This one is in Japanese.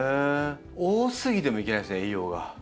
多すぎてもいけないんですね栄養が。